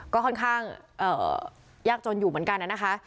ก็ค่อนข้างยากจนอยู่เหมือนกันนะคะ